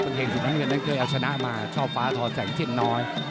บางเก่งสิ่งทางเมืองนั้นเคยเอาชนะมาช่อฟ้าทอแสงเทียดน้อย